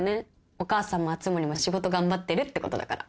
お母さんも熱護も仕事頑張ってるってことだから。